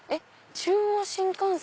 中央新幹線。